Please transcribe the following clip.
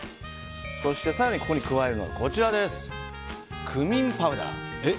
更にここに加えるのがクミンパウダー。